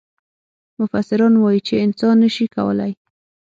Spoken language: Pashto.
مفسران وايي چې انسان نه شي کولای.